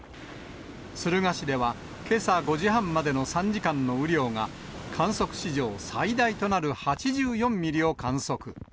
敦賀市ではけさ５時半までの３時間の雨量が、観測史上最大となる８４ミリを観測。